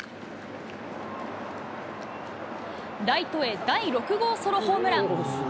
ライトへ、第６号ソロホームラン。